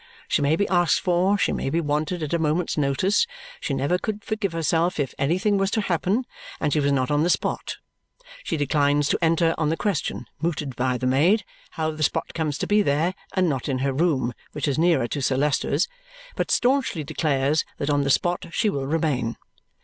She may be asked for, she may be wanted at a moment's notice. She never should forgive herself "if anything was to happen" and she was not on the spot. She declines to enter on the question, mooted by the maid, how the spot comes to be there, and not in her room (which is nearer to Sir Leicester's), but staunchly declares that on the spot she will remain.